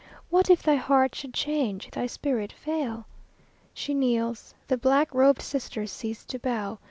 What if thy heart should change, thy spirit fail? She kneels. The black robed sisters cease to bow.